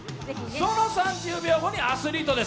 その３０秒後にアスリートです。